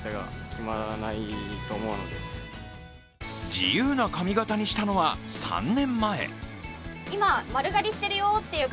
自由な髪形にしたのは３年前。